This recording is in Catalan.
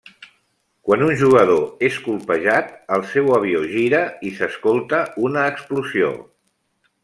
Quan un jugador és colpejat, el seu avió gira i s'escolta una explosió.